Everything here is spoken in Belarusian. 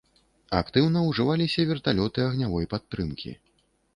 Актыўна ўжываліся верталёты агнявой падтрымкі.